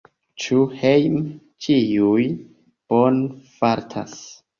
Ĉu hejme ĉiuj bone fartas?